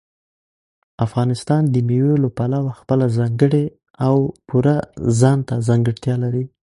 افغانستان د مېوو له پلوه خپله ځانګړې او پوره ځانته ځانګړتیا لري.